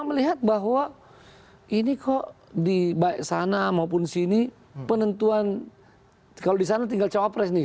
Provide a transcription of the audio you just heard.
saya melihat bahwa ini kok di baik sana maupun sini penentuan kalau di sana tinggal cawapres nih